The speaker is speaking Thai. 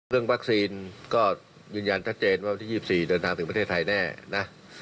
เรื่องวัคซีนก็ยืนยันชัดเจนว่าวันที่๒๔เดินทางถึงประเทศไทยแน่นะ